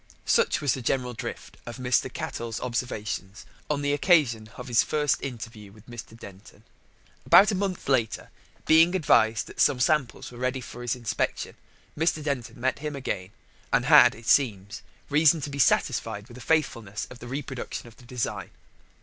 Such was the general drift of Mr. Cattell's observations on the occasion of his first interview with Mr. Denton. About a month later, being advised that some samples were ready for his inspection, Mr. Denton met him again, and had, it seems, reason to be satisfied with the faithfulness of the reproduction of the design.